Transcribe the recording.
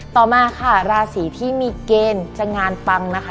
ต่อมาค่ะราศีที่มีเกณฑ์จะงานปังนะคะ